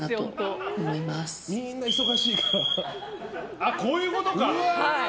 あ、こういうことか！